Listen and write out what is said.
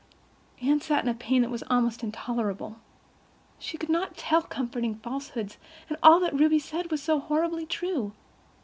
Anne sat in a pain that was almost intolerable. She could not tell comforting falsehoods; and all that Ruby said was so horribly true.